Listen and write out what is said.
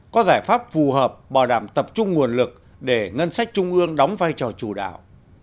có giải pháp phù hợp bảo đảm tập trung nguồn lực để ngân sách trung ương đóng vai trò chủ đạo